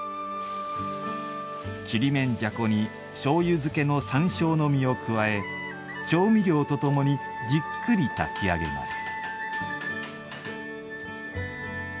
ちりめんじゃこにしょうゆ漬けの山椒の実を加え調味料とともにじっくり炊き上げます。